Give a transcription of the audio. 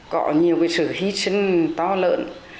có nhiều cái sự hy sinh to lớn